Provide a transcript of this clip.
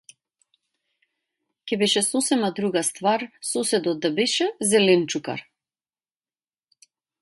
Ќе беше сосема друга ствар соседот да беше - зеленчукар.